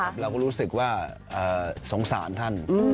เราก็รู้สึกว่าสงสารท่าน